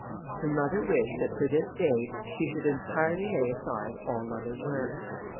Her mother wished that, for this day, she should entirely lay aside all other work.